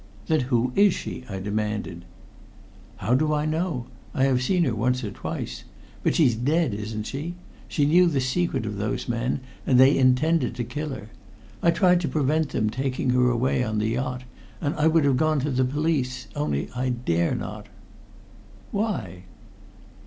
"Then who is she?" I demanded. "How do I know? I have seen her once or twice. But she's dead, isn't she? She knew the secret of those men, and they intended to kill her. I tried to prevent them taking her away on the yacht, and I would have gone to the police only I dare not." "Why?"